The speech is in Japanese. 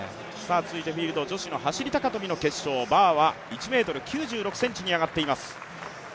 続いて、女子の走高跳の決勝バーは１ｍ９６ｃｍに上がっています。